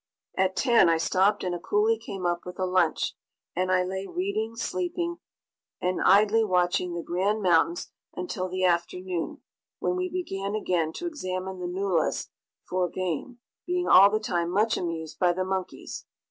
At 10 I stopped and a coolie came up with a lunch, and I lay reading, sleeping and idly watching the grand mountains until the afternoon, when we began again to examine the nullahs for game, being all the time much amused by the monkeys.